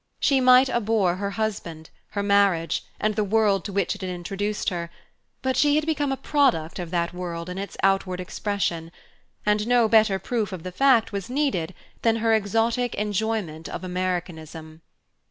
She might abhor her husband, her marriage, and the world to which it had introduced her, but she had become a product of that world in its outward expression, and no better proof of the fact was needed than her exotic enjoyment of Americanism.